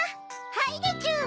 はいでちゅ！